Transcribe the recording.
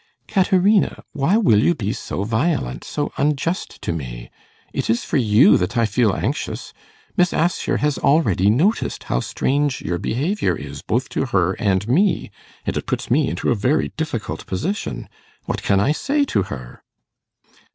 'Caterina, why will you be so violent so unjust to me? It is for you that I feel anxious. Miss Assher has already noticed how strange your behaviour is both to her and me, and it puts me into a very difficult position. What can I say to her?